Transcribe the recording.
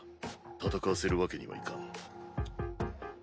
戦わせるわけにはいかん。